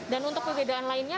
dan untuk perbedaan lainnya